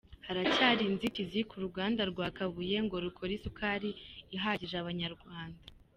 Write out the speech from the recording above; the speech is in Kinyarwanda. Haracyari inzitizi ku ruganda rwa Kabuye ngo rukore isukari ihagije Abanyarwanda